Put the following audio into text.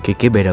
masih pada itu